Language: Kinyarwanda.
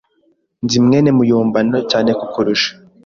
Nzi mwene muyombano cyane kukurusha.